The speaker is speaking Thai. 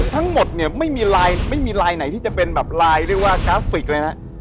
ทั้งหมดเนี่ยไม่มีไลน์ไหนที่จะเป็นไลน์เรียกว่ากราฟิกเลยนะ